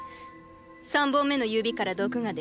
３本目の指から毒が出る。